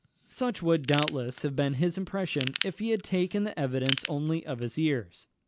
Such would, doubtless, have been his impression if he had taken the evidence only of his ears.